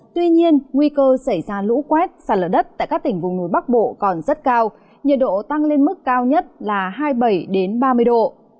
tuy nhiên nguy cơ xảy ra lũ quét sạt lở đất tại các tỉnh vùng núi bắc bộ còn rất cao nhiệt độ tăng lên mức cao nhất là hai mươi bảy ba mươi độ